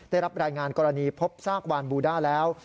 ได้รับรายงานกรณีพบซากวานบูด้าแล้ว